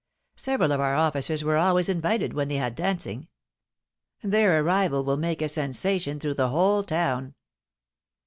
Several of our officers were always invited when they had dancing. Their arrival will make a sensation through the whole town."